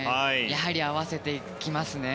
やはり合わせてきますね。